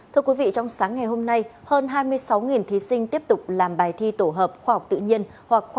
thưa quý vị trong sáng ngày hôm nay hơn hai mươi sáu thí sinh tiếp tục làm bài thi tổ hợp khoa học tự nhiên hoặc khoa học